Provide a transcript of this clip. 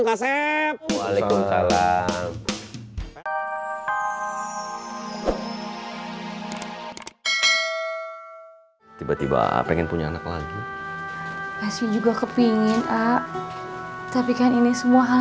wassalamualaikum salam tiba tiba pengen punya anak lagi juga kepingin tapi kan ini semua hal